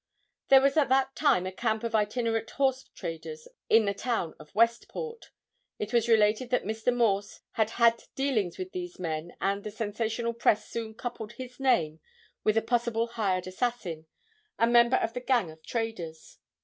There was at that time a camp of itinerant horse traders in the town of Westport. It was related that Mr. Morse had had dealings with these men and the sensational press soon coupled his name with a possible hired assassin, a member of the gang of traders.